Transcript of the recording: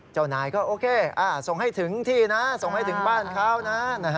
เจ้านายก็โอเคส่งให้ถึงที่นะส่งให้ถึงบ้านเขานะ